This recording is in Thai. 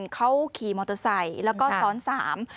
เขาขี่มอเตอร์ไซค์แล้วก็ซ้อนสาม